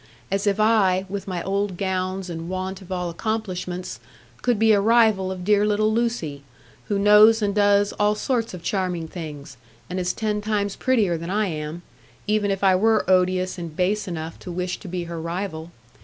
"As if I, with my old gowns and want of all accomplishments, could be a rival of dear little Lucy,—who knows and does all sorts of charming things, and is ten times prettier than I am,—even if I were odious and base enough to wish to be her rival.